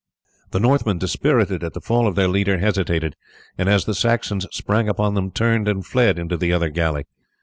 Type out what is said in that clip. The Northmen, dispirited at the fall of their leader, hesitated, and as the Saxons sprang upon them turned and fled into the other galley.